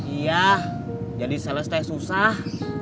iya jadi selesai susah